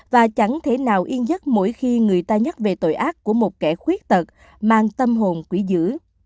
và chẳng thể nào yên giấc mỗi khi người ta nhắc về tội ác của một kẻ khuyết tật mang tâm hồn quỷ dữ